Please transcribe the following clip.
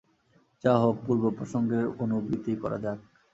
যাহা হউক, পূর্ব প্রসঙ্গের অনুবৃত্তি করা যাক।